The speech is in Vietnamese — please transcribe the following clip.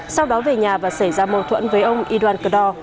sau đó về nhà và xảy ra mâu thuẫn với ông y doan cờ đo